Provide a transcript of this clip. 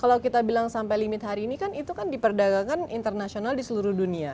kalau kita bilang sampai limit hari ini kan itu kan diperdagangkan internasional di seluruh dunia